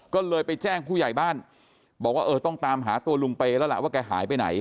ก็เลยไปแจ้งผู้ใหญ่บ้านบอกว่าเออต้องตามหาตัวลุงเปย์แล้วล่ะว่าแกหายไปไหน